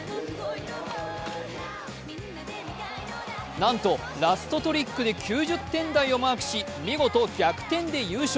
なんと、ラストトリックで９０点台をマークし、見事逆転で優勝。